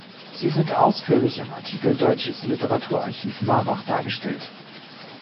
Sie sind ausführlich im Artikel Deutsches Literaturarchiv Marbach dargestellt.